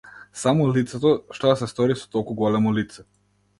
Само лицето, што да се стори со толку големо лице?